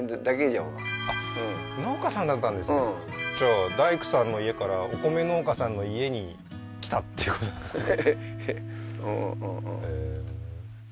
あっ農家さんだったんですねじゃあ大工さんの家からお米農家さんの家に来たっていうことですね